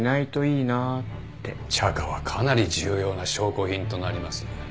チャカはかなり重要な証拠品となります。